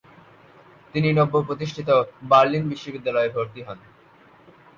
তিনি নব্য প্রতিষ্ঠিত বার্লিন বিশ্ববিদ্যালয়ে ভর্তি হন।